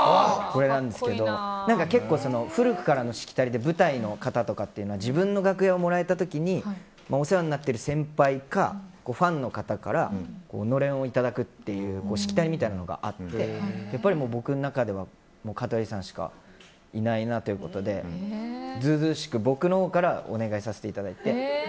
結構古くからのしきたりで舞台の方とかって自分の楽屋をもらえた時にお世話になっている先輩かファンの方からのれんをいただくっていうしきたりみたいなのがあって僕の中では香取さんしかいないなということで図々しく、僕のほうからお願いさせていただいて。